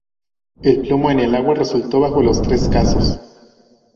El plomo en el agua resultó bajo en los tres casos.